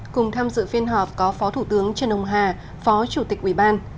cùng tham dự phiên họp có phó thủ tướng trần ông hà phó chủ tịch ủy ban